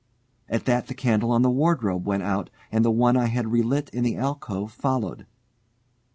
At that the candle on the wardrobe went out, and the one I had relit in the alcove followed.